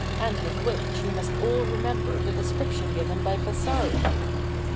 and of which you must all remember the description given by Vasari.